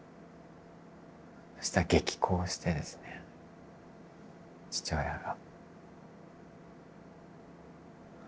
そしたら激高してですね父親が。